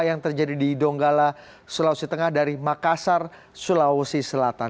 yang terjadi di donggala sulawesi tengah dari makassar sulawesi selatan